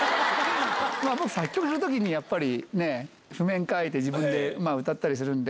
僕、作曲するときに、やっぱり、ねぇ、譜面書いて、自分で歌ったりするんで。